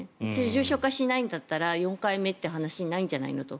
重症化しないんだったら４回目という話ないんじゃないの？と。